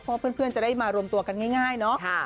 เพราะเพื่อนจะได้มารวมตัวกันง่ายเนาะ